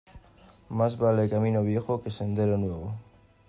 Más vale camino viejo que sendero nuevo.